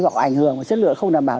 họ ảnh hưởng vào chất lượng không đảm bảo